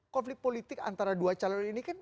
konflik politik antara dua calon ini kan